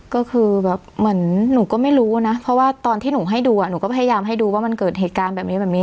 ก็คือแบบเหมือนหนูก็ไม่รู้นะเพราะว่าตอนที่หนูให้ดูอ่ะหนูก็พยายามให้ดูว่ามันเกิดเหตุการณ์แบบนี้แบบนี้